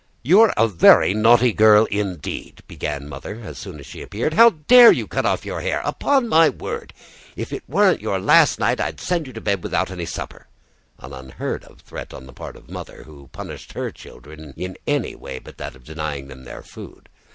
"You're a very naughty girl indeed!" began Mother as soon she appeared. "How dare you cut off your hair? Upon my word, if it weren't your last night I'd send you to bed without any supper!" an unheard of threat on the part of Mother, who punished her children in any way but that of denying them their food.